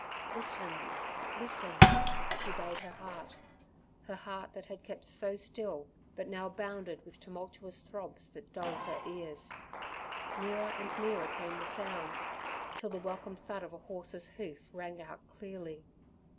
"Listen! Listen!" she bade her heart her heart that had kept so still, but now bounded with tumultuous throbs that dulled her ears. Nearer and nearer came the sounds, till the welcome thud of a horse's hoof rang out clearly.